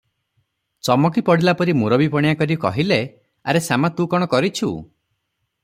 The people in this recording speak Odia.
ଚମକି ପଡ଼ିଲାପରି ମୁରବିପଣିଆ କରି କହିଲେ, 'ଆରେ ଶାମା ତୁ କଣ କରିଛୁ?